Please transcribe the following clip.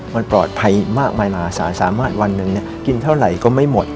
มันปลอดภัยมากมายมาสารสามารถวันหนึ่งกินเท่าไหร่ก็ไม่หมด